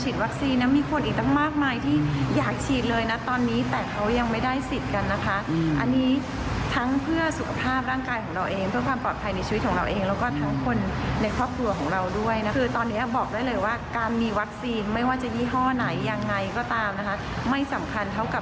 ที่สำคัญเท่ากับการที่เราได้ฉีดค่ะ